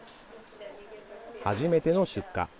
初めての出荷。